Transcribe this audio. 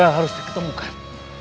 pilal harus diketemukan